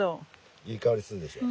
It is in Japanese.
いい香りするでしょう。